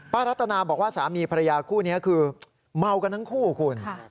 รัตนาบอกว่าสามีภรรยาคู่นี้คือเมากันทั้งคู่คุณ